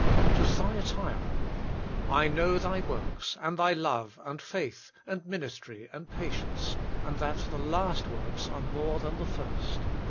To Thyatira: ' I knozv thy zvorks, and thy love and faith and ministry and pa tience, and that the last zvorks are more than the first.